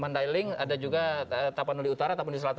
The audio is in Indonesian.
mandailing ada juga tapanuli utara tapanuli selatan